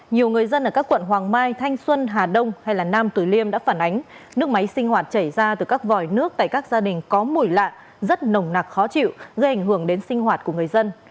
nhiều người dân ở các quận hoàng mai thanh xuân hà đông hay nam tử liêm đã phản ánh nước máy sinh hoạt chảy ra từ các vòi nước tại các gia đình có mùi lạ rất nồng nặc khó chịu gây ảnh hưởng đến sinh hoạt của người dân